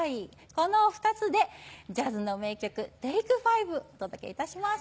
この２つでジャズの名曲『ＴａｋｅＦｉｖｅ』お届けいたします。